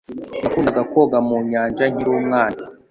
Nakundaga koga mu nyanja nkiri umwana